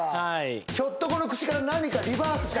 ひょっとこの口から何かリバースした。